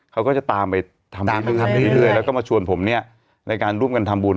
เขาก็จะตามไปทำเรื่อยแล้วก็มาชวนผมในการร่วมกันทำบูรณ์